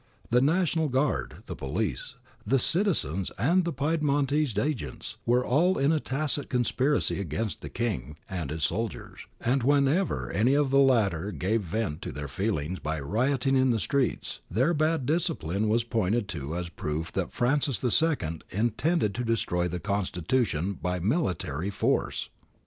The National Guard, the police, the citizens, and the Piedmontese agents were all in a tacit conspiracy against the King and hTs soldiers, and whenever any of the latter gave vent to their feelings by rioting in the streets, their bad discipline was pointed to as proof that Francis II intended to destroy the constitution by military force.'